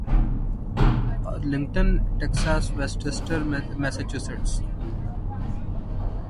Arlington Texas Worcester Massachusetts